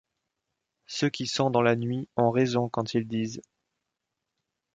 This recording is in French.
Ceux qui sont dans la nuit ont raison quand ils disent :